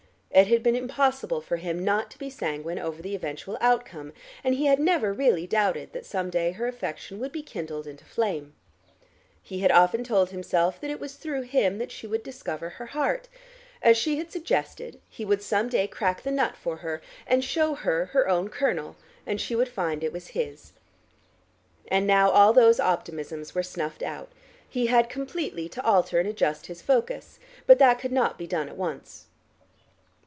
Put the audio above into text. It had been impossible for him not to be sanguine over the eventual outcome, and he had never really doubted that some day her affection would be kindled into flame. He had often told himself that it was through him that she would discover her heart. As she had suggested, he would some day crack the nut for her, and show her her own kernel, and she would find it was his. And now all those optimisms were snuffed out. He had completely to alter and adjust his focus, but that could not be done at once.